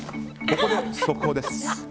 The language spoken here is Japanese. ここで速報です。